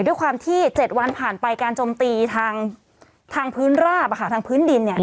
ด้วยความที่๗วันผ่านไปการจมตีทางพื้นราบทางพื้นดินเนี่ย